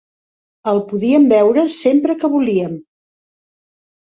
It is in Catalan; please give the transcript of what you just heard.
El podíem veure sempre que volíem.